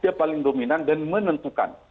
dia paling dominan dan menentukan